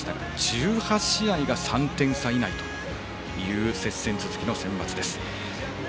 １８試合が３点差以内という接戦続くセンバツです。